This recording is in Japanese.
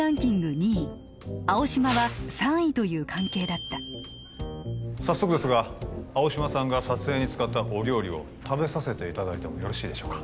２位青嶌は３位という関係だった早速ですが青嶌さんが撮影に使ったお料理を食べさせていただいてもよろしいでしょうか？